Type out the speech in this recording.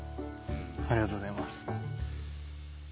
ありがとうございます。